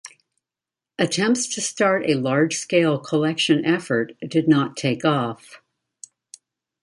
Attempts to start a large scale collection effort did not take off.